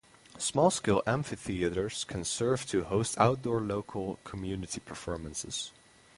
Small-scale amphitheatres can serve to host outdoor local community performances.